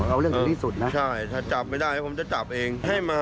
เอาเรื่องถึงที่สุดนะใช่ถ้าจับไม่ได้ผมจะจับเองให้มา